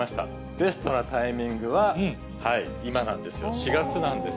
ベストなタイミングは、今なんですよ、４月なんです。